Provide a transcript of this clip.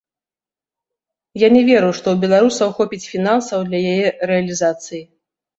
Я не веру, што ў беларусаў хопіць фінансаў для яе рэалізацыі.